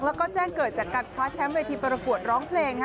แล้วก็แจ้งเกิดจากการคว้าแชมป์เวทีประกวดร้องเพลง